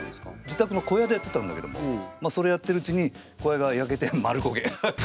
じたくの小屋でやってたんだけどもそれやってるうちに小屋が焼けてまるこげアハハッ！